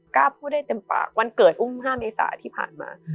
กล้าพูดได้เต็มปากวันเกิดอุ้ม๕เมษาที่ผ่านมา